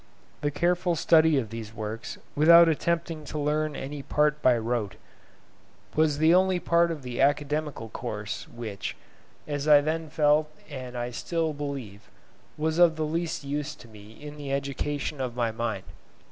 The careful study of these works, without attempting to learn any part by rote, was the only part of the academical course which, as I then felt and as I still believe, was of the least use to me in the education of my mind.